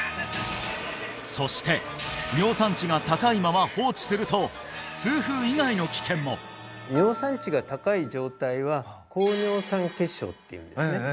そして尿酸値が高いまま放置すると痛風以外の危険も尿酸値が高い状態は高尿酸血症っていうんですね